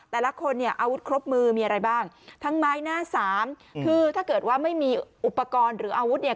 แต่ละคนเนี่ยอาวุธครบมือมีอะไรบ้างทั้งไม้หน้าสามคือถ้าเกิดว่าไม่มีอุปกรณ์หรืออาวุธเนี่ย